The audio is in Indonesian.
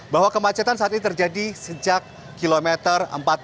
bahwa kemacetan saat ini terjadi sejak kilometer empat puluh